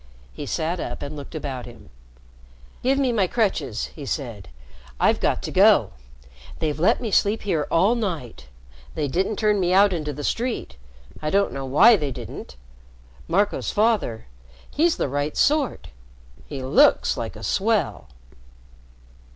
He sat up and looked about him. "Give me my crutches," he said. "I've got to go. They've let me sleep here all night. They didn't turn me into the street. I don't know why they didn't. Marco's father he's the right sort. He looks like a swell."